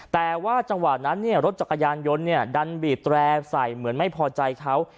แต่ว่าจังหวะนั้นรถจักรยานยนต์ดันบีดแร่ใส่เหมือนไม่พอใจเขา